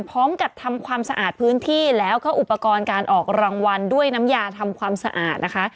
พร้อมกับทำความสะอาดพื้นที่แล้วก็อุปกรณ์การออกรางวัลด้วยน้ำยาทำความสะอาดนะคะ